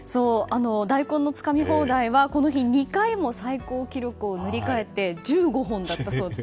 大根のつかみ放題はこの日２回も最高記録を塗り替えて１５本だったそうです。